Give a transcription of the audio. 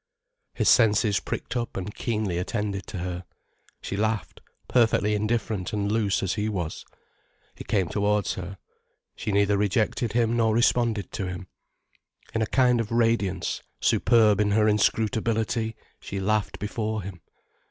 His senses pricked up and keenly attended to her. She laughed, perfectly indifferent and loose as he was. He came towards her. She neither rejected him nor responded to him. In a kind of radiance, superb in her inscrutability, she laughed before him.